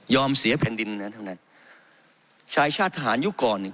ยอมเสียแผ่นดินนะท่านท่านท่านชายชาติทหารยุคกร